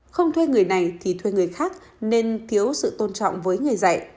không thuê người này thì thuê người khác nên thiếu sự tôn trọng với người dạy